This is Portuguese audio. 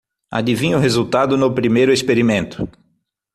Adivinha o resultado no primeiro experimento.